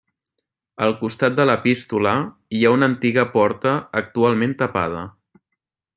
Al costat de l'epístola, hi ha una antiga porta actualment tapada.